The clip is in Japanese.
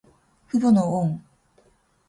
父母の恩。